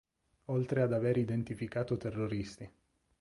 Oltre ad aver identificato terroristi.